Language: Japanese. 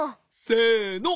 せの。